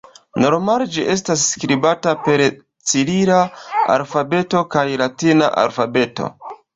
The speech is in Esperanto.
Normale ĝi estas skribata per cirila alfabeto kaj latina alfabeto.